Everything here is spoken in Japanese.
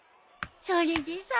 それでさ。